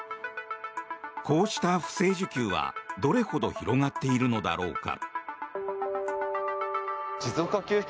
こうした不正受給はどれほど広がっているのだろうか。